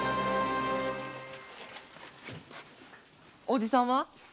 おじさんは？